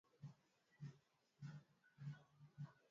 Paka alikunywa maziwa yote